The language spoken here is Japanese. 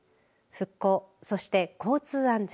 復興、そして交通安全。